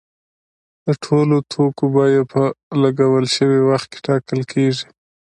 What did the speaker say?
د ټولو توکو بیه په لګول شوي وخت ټاکل کیږي.